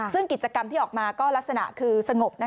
ซึ่งกิจกรรมที่ออกมาก็ลักษณะคือสงบ